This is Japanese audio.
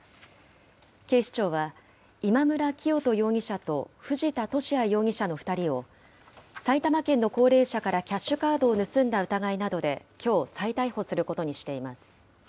警視庁は、今村磨人容疑者と藤田聖也容疑者の２人を、埼玉県の高齢者からキャッシュカードを盗んだ疑いなどできょう、再逮捕することにしています。